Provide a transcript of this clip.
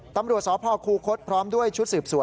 ตำรวจศาสตร์พ่อครูคลดพร้อมด้วยชุดสืบสวน